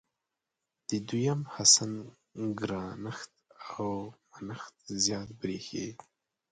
د دویم حسن ګرانښت او منښت زیات برېښي.